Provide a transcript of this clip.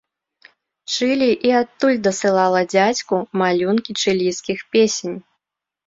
Чылі і адтуль дасылала дзядзьку малюнкі чылійскіх песень.